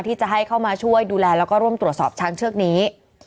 ที่จะให้เข้ามาช่วยดูแลแล้วก็ร่วมตรวจสอบช้างเชือกนี้